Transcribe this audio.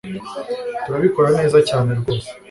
turabikora neza cyane ryose